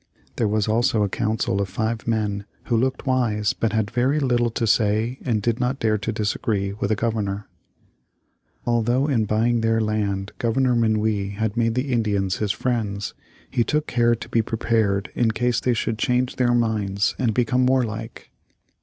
There was also a council of five men who looked wise but had very little to say and did not dare to disagree with the Governor. Although in buying their land Governor Minuit had made the Indians his friends, he took care to be prepared in case they should change their minds and become warlike.